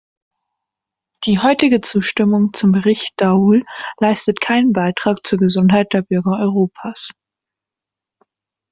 Die heutige Zustimmung zum Bericht Daul leistet keinen Beitrag zur Gesundheit der Bürger Europas.